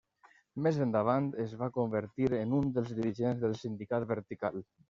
Més endavant es va convertir en un dels dirigents del Sindicat Vertical.